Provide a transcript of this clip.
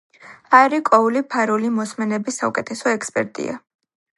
ჰარი კოული ფარული მოსმენების საუკეთესო ექსპერტია.